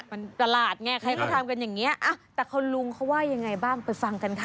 มันตลาดไงใครเค้าออกมากันอย่างนี้อะแต่คนลุงเขาว่ายังไงบ้างไปฟังกันค่ะ